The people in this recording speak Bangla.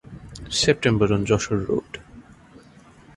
September on Jessore road